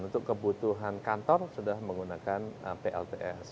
untuk kebutuhan kantor sudah menggunakan plts